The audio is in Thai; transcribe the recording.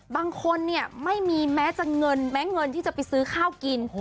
บางคนไม่มีแม้เงินที่จะไปซื้อข้าวกิน